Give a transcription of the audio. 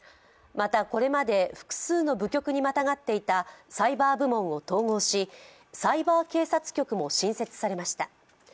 また、これまで複数の部局にまたがっていたサイバー部門を統合しサイバー警察局も新設されました。